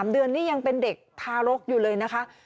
๓เดือนนี่ยังเป็นเด็กทารกอยู่เลยนะคะ